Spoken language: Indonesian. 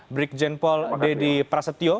brik jenpol dedy prasetyo